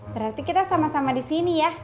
berarti kita sama sama di sini ya